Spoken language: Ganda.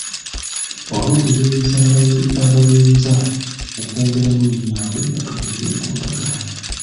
Olw’okuziyiza abayinza okwongeramu ebyabwe ka tulabire ku ndagaano.